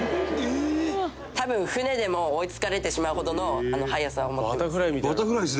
「多分船でも追い付かれてしまうほどの速さを持ってます」